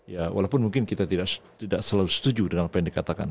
ya walaupun mungkin kita tidak selalu setuju dengan apa yang dikatakan